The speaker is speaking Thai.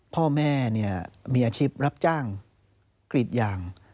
พ่อแม่เนี่ยมีอาชีพรับจ้างกรีดอย่าง